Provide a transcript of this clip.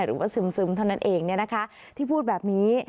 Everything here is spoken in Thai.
หรือว่าซึมซึมเท่านั้นเองเนี่ยนะคะที่พูดแบบนี้